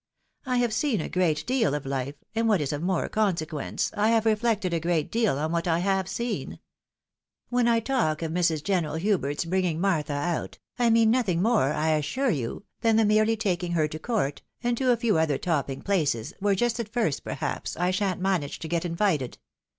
I have seen a great deal of life, and what is of more consequence, I have reflected a great deal on what I have seen. When I talk of Mrs. General Hubert's bringing Martha out, I mean nothing more, I assure you, than the merely taking her to com t, and to a few other topping places, where just at first, perhaps, I shan't manage to get invited.